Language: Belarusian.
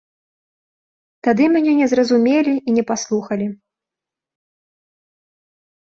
Тады мяне не зразумелі і не паслухалі.